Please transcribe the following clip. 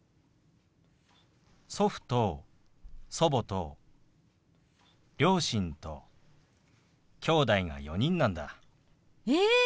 祖父と祖母と両親ときょうだいが４人なんだ。え！